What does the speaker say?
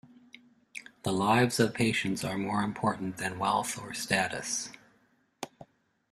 The lives of patients are more important than wealth or status.